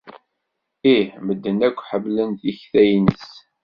Ih. Medden akk ḥemmlen tikla-nnes.